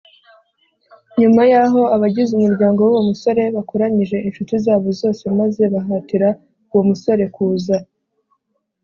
Nyuma yaho abagize umuryango w uwo musore bakoranyije incuti zabo zose maze bahatira uwo musorekuza